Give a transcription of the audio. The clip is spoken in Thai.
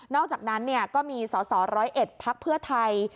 อกจากนั้นก็มีสสร้อยเอ็ดพักเพื่อไทย